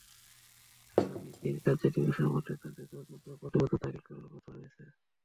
আগামী তিন কার্য দিবসের মধ্যে তাদের তদন্ত প্রতিবেদন দাখিল করার কথা রয়েছে।